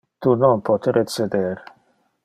Tu non pote receder.